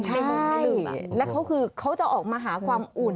ใช่แล้วเขาคือเขาจะออกมาหาความอุ่น